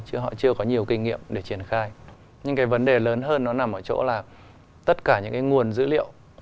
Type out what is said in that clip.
chứ họ chưa có nhiều kinh nghiệm để triển khai nhưng cái vấn đề lớn hơn nó nằm ở chỗ là tất cả những cái nguồn dữ liệu